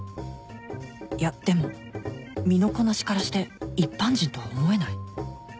いやでも身のこなしからして一般人とは思えない